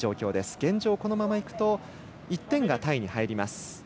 現状、このままいくと１点がタイに入ります。